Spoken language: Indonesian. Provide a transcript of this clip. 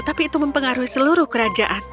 tapi itu mempengaruhi seluruh kerajaan